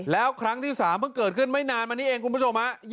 แล้วครั้งที่๓เพิ่งเกิดขึ้นไม่นานมานี้เองคุณผู้ชมฮะ